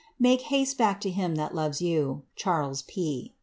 » Make haste back to him that lores you. "CSAaLMI p.